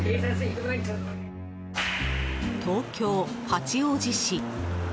東京・八王子市。